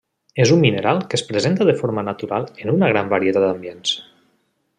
És un mineral que es presenta de forma natural en una gran varietat d'ambients.